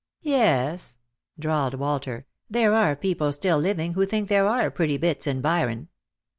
" Yes," drawled Walter, " there are people still living who think there are pretty bits in Byron."